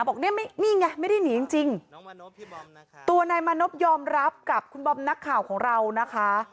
บอกเนี่ยนี่ไงไม่ได้หนีจริงตัวนายมานพยอมรับกับคุณบอมนักข่าวของเรานะคะ